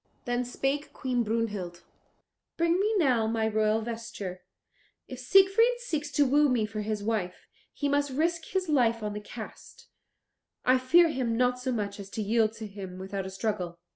Then spake Queen Brunhild, "Bring me now my royal vesture; if Siegfried seeks to woo me for his wife, he must risk his life on the cast; I fear him not so much as to yield to him without a struggle."